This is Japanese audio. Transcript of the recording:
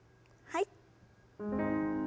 はい。